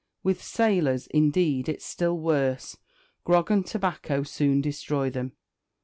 With sailors, indeed, it's still worse; grog and tobacco soon destroy them.